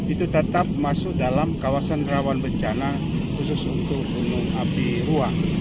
itu tetap masuk dalam kawasan rawan bencana khusus untuk gunung api ruang